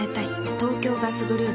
東京ガスグループ